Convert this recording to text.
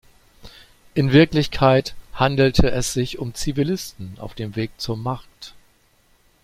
In Wirklichkeit handelte es sich um Zivilisten auf dem Weg zum Markt.